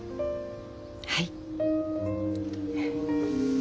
はい。